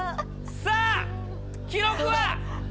さあ、記録は？